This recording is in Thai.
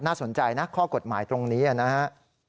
สนใจนะข้อกฎหมายตรงนี้นะฮะ